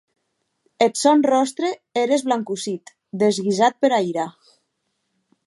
Eth sòn ròstre ère esblancossit, desguisat pera ira.